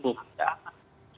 khusus untuk lima puluh tahun